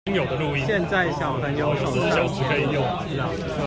現在小朋友手上